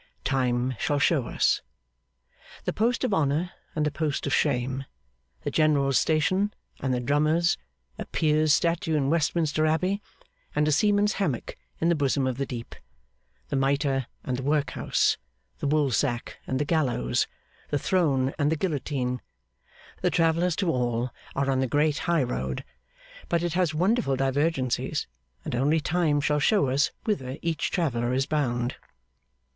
Time shall show us. The post of honour and the post of shame, the general's station and the drummer's, a peer's statue in Westminster Abbey and a seaman's hammock in the bosom of the deep, the mitre and the workhouse, the woolsack and the gallows, the throne and the guillotine the travellers to all are on the great high road, but it has wonderful divergencies, and only Time shall show us whither each traveller is bound.